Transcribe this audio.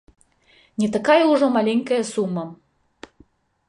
Не такая ўжо маленькая сума!